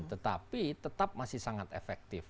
tetapi tetap masih sangat efektif